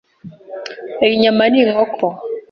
Iyi nyama ni inkoko.